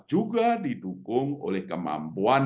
juga didukung oleh kemampuan